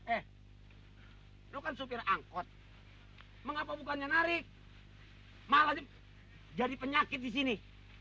eh lo kan supir angkot mengapa bukannya narik malah jadi penyakit di sini